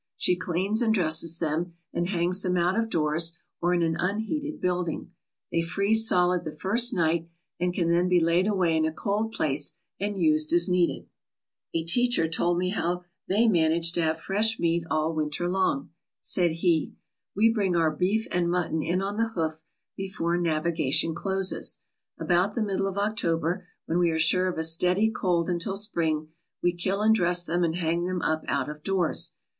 She cleans and dresses them and hangs them out of doors or in an unheated building. They freeze solid the first night and can then be laid away in a cold place and used as needed. A teacher told me how they managed to have fresh meat all winter long. Said he: "We bring our beef and mutton in on the hoof before navigation closes. About the middle of October, when we are sure of a steady cold until spring, we kill and dress them and hang them up out of doors.